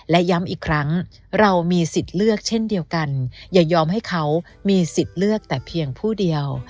และย้ำอีกครั้งเรามีสิทธิ์เลือกเช่นเดียวกันอย่ายอมให้เขามีสิทธิ์เลือกแต่เพียงผู้เดียว